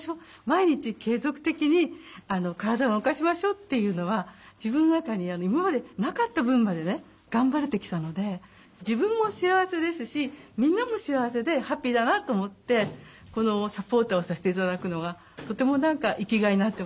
毎日継続的に体を動かしましょうっていうのは自分の中に自分も幸せですしみんなも幸せでハッピーだなと思ってこのサポーターをさせていただくのがとても何か生きがいになってます。